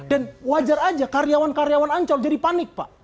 dan wajar aja karyawan karyawan ancol jadi panik